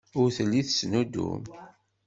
Ur telli tettnuddum.